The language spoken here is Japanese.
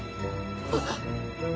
あっ！